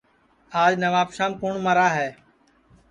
آج نوابشام کُوٹؔ مرا ہے